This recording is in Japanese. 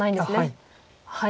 はい。